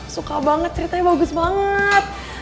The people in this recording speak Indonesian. suka banget ceritanya bagus banget